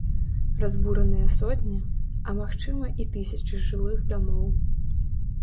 Разбураныя сотні, а магчыма і тысячы жылых дамоў.